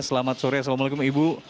selamat sore assalamualaikum ibu